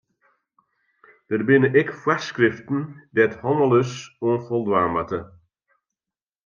Der binne ek foarskriften dêr't hannelers oan foldwaan moatte.